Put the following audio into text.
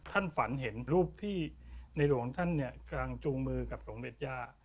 ท่านฝันเห็นรูปที่นายหลวงท่านกลางจูงมือกับส่งเม็ดยา